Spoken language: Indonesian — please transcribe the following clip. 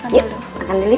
yuk makan dulu